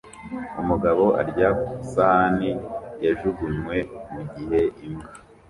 Umugabo arya ku isahani yajugunywe mu gihe imbwa